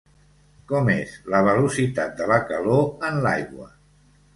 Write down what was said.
Com és la velocitat de la calor en l'aigua?